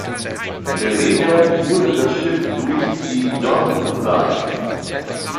Bereedert wurde das Schiff durch die Donaldson Line.